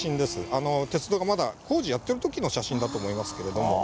鉄道がまだ工事やってる時の写真だと思いますけれども。